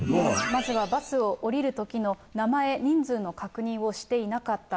まずはバスを降りるときの名前、人数の確認をしていなかった。